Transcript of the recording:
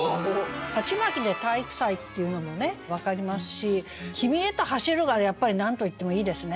「鉢巻」で体育祭っていうのもね分かりますし「君へと走る」がやっぱり何と言ってもいいですね。